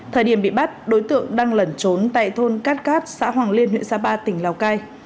thời điểm bị bắt đối tượng đang lẩn trốn tại thôn cát cát xã hoàng liên huyện sapa tỉnh lào cai